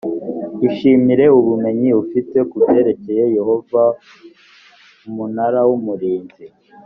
ishimire ubumenyi ufite ku byerekeye yehova umunara w umurinzi